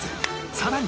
さらに